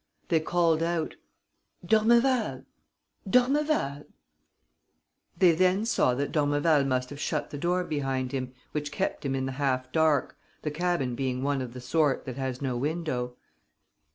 They called out: "D'Ormeval! D'Ormeval!" They then saw that d'Ormeval must have shut the door behind him, which kept him in the half dark, the cabin being one of the sort that has no window.